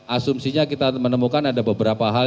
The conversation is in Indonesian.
asumsinya kita menemukan ada beberapa hal